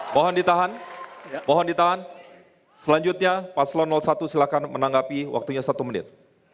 mohon ditahan mohon ditahan selanjutnya paslon satu silahkan menanggapi waktunya satu menit